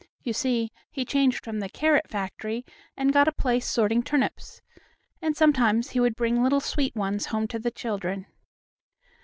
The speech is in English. You see, he changed from the carrot factory, and got a place sorting turnips. And sometimes he would bring little sweet ones home to the children.